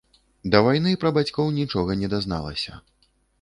Да вайны пра бацькоў нічога не дазналася.